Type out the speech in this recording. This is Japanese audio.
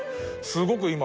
すごく今。